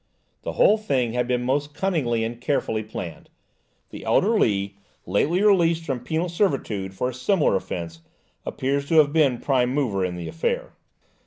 The whole thing had been most cunningly and carefully planned. The elder Lee, lately released from penal servitude for a similar offence, appears to have been prime mover in the affair.